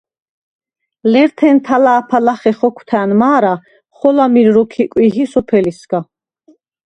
ლერთენ თა̄ლა̄ფა ლახე ხოქვთა̈ნ მა̄რა, ხოლა მირ როქვ იკვიჰი სოფელისგა.